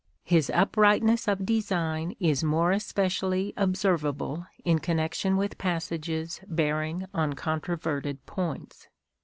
His uprightness of design is more especially observable in connection with passages bearing on contro verted points.